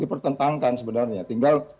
dipertentangkan sebenarnya tinggal